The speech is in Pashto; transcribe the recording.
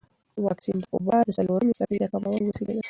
واکسن د وبا د څلورمې څپې د کمولو وسیله ده.